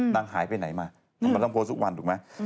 นางหายไปไหนมาทำไมต้องโพสต์ทุกวันถูกไหม